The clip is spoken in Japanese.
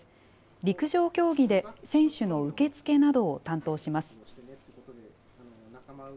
陸上競技で、選手の受け付けなどを担当します。